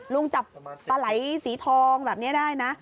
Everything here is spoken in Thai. ลุงจับปลาไหลสีทองแบบนี้ได้นะ